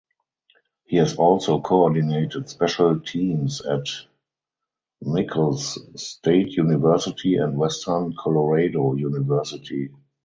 He has also coordinated special teams at Nicholls State University and Western Colorado University.